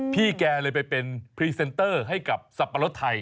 พี่แกเลยไปเป็นพรีเซนเตอร์ให้กับสับปะรดไทย